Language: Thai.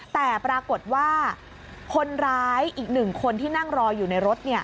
แต่ปรากฏว่าคนร้ายอีก๑คนที่นั่งรออยู่ในรถ